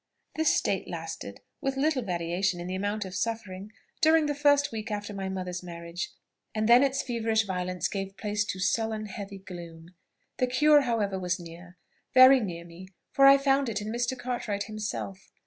"This state lasted, with little variation in the amount of suffering, during the first week after my mother's marriage; and then its feverish violence gave place to sullen, heavy gloom. The cure however was near, very near me, for I found it in Mr. Cartwright himself.